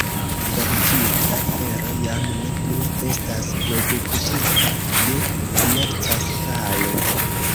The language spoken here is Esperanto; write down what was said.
Forĝita fero jam ne plu estas produktita je komerca skalo.